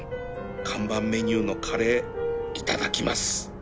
看板メニューのカレーいただきます